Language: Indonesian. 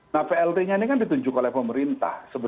nah plt nya ini kan ditunjuk oleh pemerintah